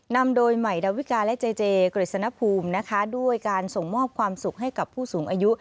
นำโดยใหม่ดาวิกาและเจเจกฤษณภูมินะคะด้วยการส่งมอบความสุขให้กับผู้สูงอายุ